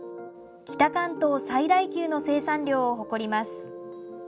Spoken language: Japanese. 北関東最大級の生産量を誇ります。